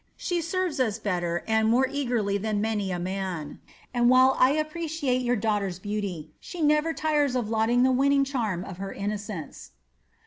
She serves us better and more eagerly than many a man, and while I appreciate your daughter's beauty, she never tires of lauding the winning charm of her innocence."